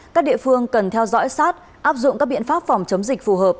các địa phương cần theo dõi sát áp dụng các biện pháp phòng chống dịch phù hợp